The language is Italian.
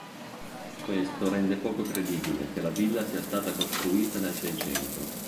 Questo rende poco credibile che la villa sia stata costruita nel Seicento.